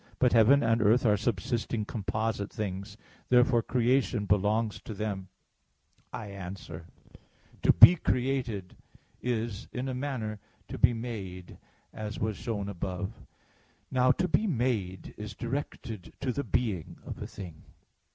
But heaven and earth are subsisting composite things. Therefore creation belongs to them. I answer that, To be created is, in a manner, to be made, as was shown above (Q. 44, A. 2, ad 2, 3). Now, to be made is directed to the being of a thing.